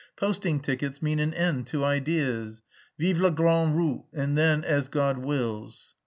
Posting tickets mean an end to ideas. Vive la grande route and then as God wills.